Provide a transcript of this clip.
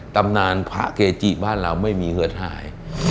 ตำนานพระเกจิบ้านเราไม่มีเงินหาย